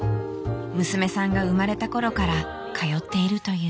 娘さんが生まれた頃から通っているという。